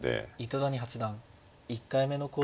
糸谷八段１回目の考慮時間に。